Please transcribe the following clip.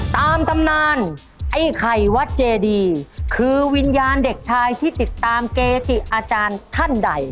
ตำนานไอ้ไข่วัดเจดีคือวิญญาณเด็กชายที่ติดตามเกจิอาจารย์ท่านใด